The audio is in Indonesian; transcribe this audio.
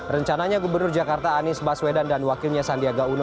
rencananya gubernur jakarta anies baswedan dan wakilnya sandiaga uno